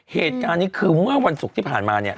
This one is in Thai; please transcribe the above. เหตุการณ์นี้คือเมื่อวันศุกร์ที่ผ่านมาเนี่ย